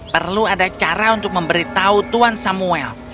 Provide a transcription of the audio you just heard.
perlu ada cara untuk memberitahu tuan samuel